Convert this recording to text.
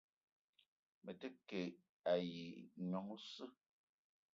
Me te ke ayi nyong oseu.